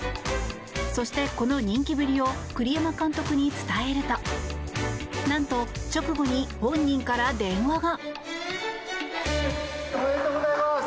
そして、この人気ぶりを栗山監督に伝えるとなんと直後に本人から電話が。